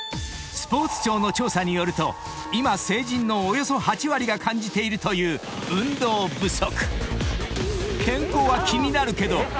［スポーツ庁の調査によると今成人のおよそ８割が感じているという運動不足］